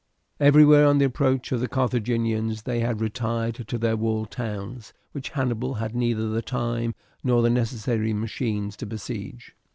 Everywhere on the approach of the Carthaginians they had retired to their walled towns, which Hannibal had neither the time nor the necessary machines to besiege.